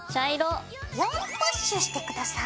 ４プッシュして下さい。